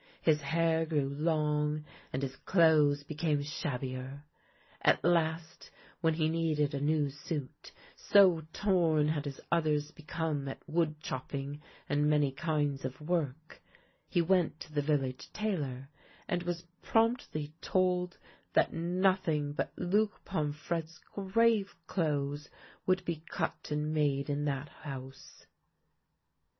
His hair grew long and his clothes became shabbier. At last, when he needed a new suit, — so torn had his others become at wood chopping and many kinds of work — he went to the village tailor, and was promptly told that nothing but Luc Pomfrette's grave clothes would be cut and made in that house.